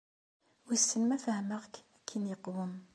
Wissen ma fehmeɣ-k akken yeqwem.